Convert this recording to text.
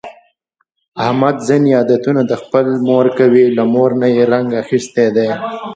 احمد ځني عادتونه د خپلې مور کوي، له مور نه یې رنګ اخیستی دی.